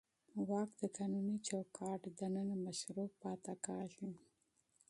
واک د قانوني چوکاټ دننه مشروع پاتې کېږي.